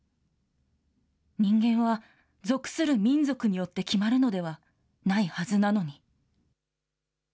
人間は属する民族によって決まるのではないはずなのに。